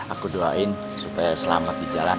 aku doain supaya selamat di jalan